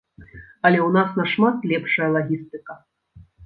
Але ў нас нашмат лепшая лагістыка.